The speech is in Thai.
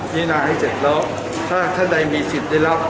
พิเศษนานให้เจ็บแล้วถ้าใครมีสิทธิ์ได้รับ